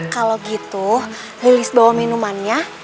kalau gitu lili bawa minumannya